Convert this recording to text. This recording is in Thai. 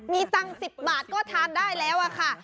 มีตังค์๑๐บาทก็ทานได้แล้วค่ะ